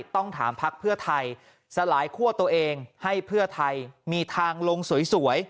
ต้องถามพักเพื่อไทยสลายคั่วตัวเองให้เพื่อไทยมีทางลงสวย